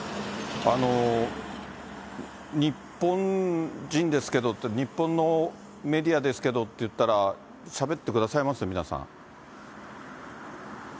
日本人ですけど、日本のメディアですけどって言ったら、しゃべってくださいます？